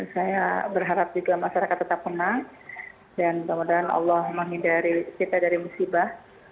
saya berharap juga masyarakat tetap tenang dan mudah mudahan allah menghindari kita dari musibah